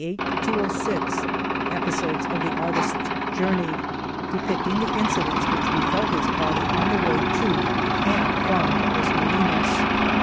/p/ Episodes of the artisfs journey : Depicting the inci dents which bejel his party on the way to and from Los Molinos